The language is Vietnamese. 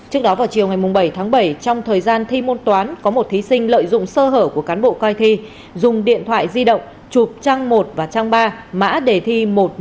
trước đó vào chiều ngày bảy tháng bảy trong thời gian thi môn toán có một thí sinh lợi dụng sơ hở của cán bộ coi thi dùng điện thoại di động chụp trang một và trang ba mã đề thi một trăm một mươi một